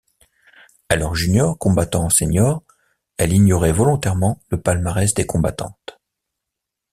Alors junior combattant en senior, elle ignorait volontairement le palmarès des combattantes.